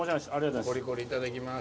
コリコリいただきます。